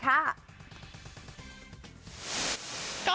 ทาสีห้องใหม่บิลต์อินใหม่